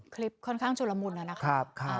กลิ๊ปค่อนข้างชุลมุแล้วแหละครับ